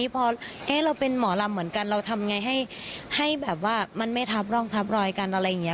พอเราเป็นหมอลำเหมือนกันเราทำไงให้แบบว่ามันไม่ทับร่องทับรอยกันอะไรอย่างนี้